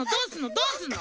どうすんの？